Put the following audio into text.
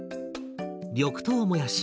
緑豆もやし